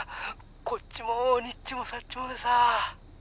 ☎こっちもにっちもさっちもでさ